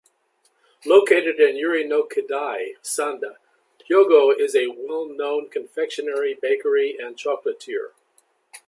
Located in Yurinokidai, Sanda, Hyogo, is a well-known confectionery, bakery and chocolatier.